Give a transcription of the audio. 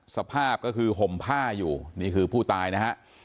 สภาพก็คือห่มผ้าอยู่นี่คือผู้ตายนะฮะ